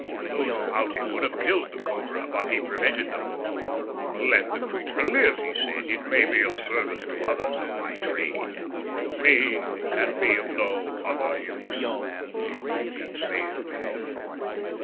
"Those about him would have killed the cobra, but he prevented them. "'Let the creature live,' he said. 'It may be of service to others of my trade. To me it can be of no other use. Nothing can save me.